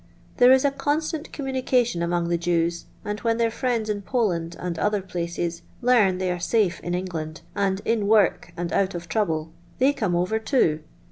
There is a constant communication among the Jevs, and vKen their friends in Poland, and other places, learn they are eafe in England, and in wort and out of trouble, they come over loo.